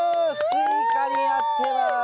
スイカになってます。